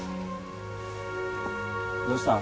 どうした？